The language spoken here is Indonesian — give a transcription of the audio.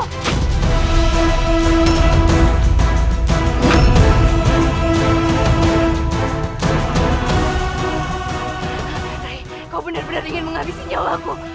baik kau benar benar ingin menghabisi nyawaku